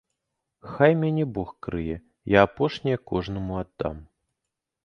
Хай мяне бог крые, я апошняе кожнаму аддам.